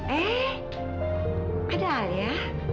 eh ada alia